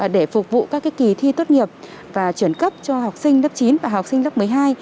để phục vụ các kỳ thi tốt nghiệp và chuyển cấp cho học sinh lớp chín và học sinh lớp một mươi hai